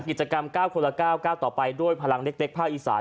กิจกรรม๙คนละ๙๙ต่อไปด้วยพลังเล็กภาคอีสาน